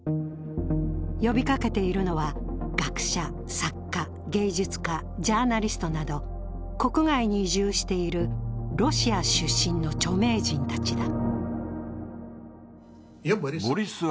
呼びかけているのは、学者、作家、芸術家、ジャーナリストなど国外に移住しているロシア出身の著名人たちだ。